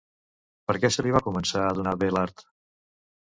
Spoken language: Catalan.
Per què se li va començar a donar bé l'art?